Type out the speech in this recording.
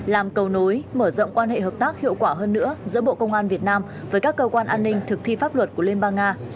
làm cầu nối mở rộng quan hệ hợp tác hiệu quả hơn nữa giữa bộ công an việt nam với các cơ quan an ninh thực thi pháp luật của liên bang nga